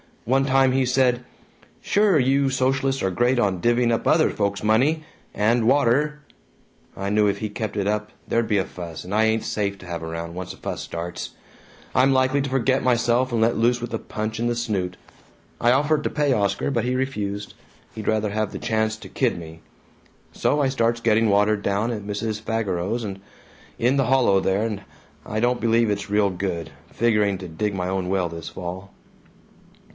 One time he said, 'Sure, you socialists are great on divvying up other folks' money and water!' I knew if he kept it up there'd be a fuss, and I ain't safe to have around, once a fuss starts; I'm likely to forget myself and let loose with a punch in the snoot. I offered to pay Oscar but he refused he'd rather have the chance to kid me. So I starts getting water down at Mrs. Fageros's, in the hollow there, and I don't believe it's real good. Figuring to dig my own well this fall."